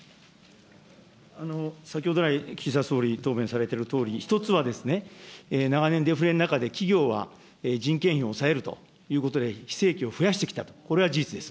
先ほど来、岸田総理、答弁されているとおり、１つは長年、デフレの中で企業は人件費を抑えるということで非正規を増やしてきたと、これは事実です。